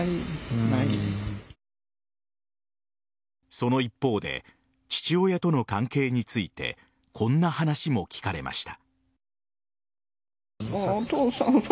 その一方で父親との関係についてこんな話も聞かれました。